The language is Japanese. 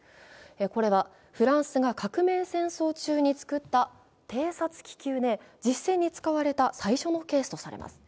これはフランスが革命戦争中に作った偵察気球で実戦に使われた最初のケースとされます。